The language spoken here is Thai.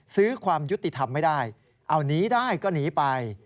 ความยุติธรรมไม่ได้เอาหนีได้ก็หนีไป